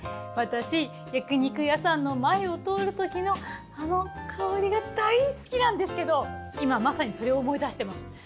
私焼き肉屋さんの前を通るときのあの香りが大好きなんですけど今まさにそれを思い出してます。